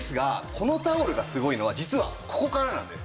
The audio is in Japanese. このタオルがすごいのは実はここからなんです。